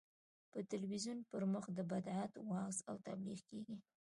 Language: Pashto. په تلویزیون پر مخ د بدعت وعظ او تبلیغ کېږي.